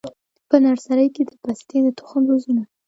په نرسري کي د پستې د تخم روزنه: